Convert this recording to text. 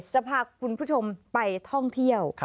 จะพาคุณผู้ชมไปท่องเที่ยว